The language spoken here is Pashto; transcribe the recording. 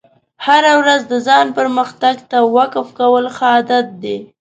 هره ورځ د ځان پرمختګ ته وقف کول ښه عادت دی.